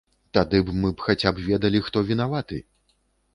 Тады б мы б хаця б ведалі, хто вінаваты.